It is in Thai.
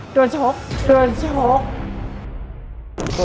โดนโชค